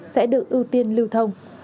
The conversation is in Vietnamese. sẽ được ưu tiên lưu thông